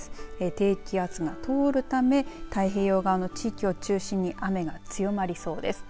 低気圧が通るため太平洋側の地域を中心に雨が強まりそうです。